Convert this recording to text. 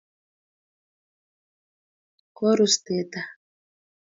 korus teta